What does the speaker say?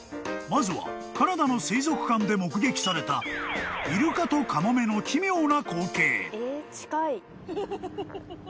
［まずはカナダの水族館で目撃されたイルカとカモメの奇妙な光景］